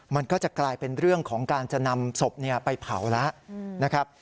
มันก็จะกลายเป็นเรื่องของการจะนำศพไปเผาแล้วนะครับ